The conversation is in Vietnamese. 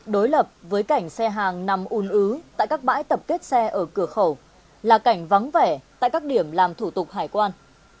đối lập với cảnh xe hàng nằm un ứ tại các bãi tập kết xe ở cửa khẩu là cảnh vắng vẻ tại các điểm làm thủ tục hải quan